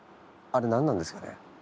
あれ、何なんですかね？